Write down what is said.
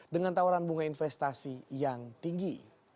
dengan tawaran bunga investasi yang tinggi